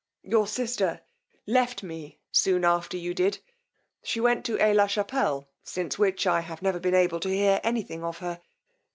Your sister left me soon after you did: she went to Aix la Chapelle, since which I have never been able to hear any thing of her.